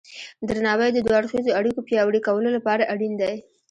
درناوی د دوه اړخیزو اړیکو پیاوړي کولو لپاره اړین دی.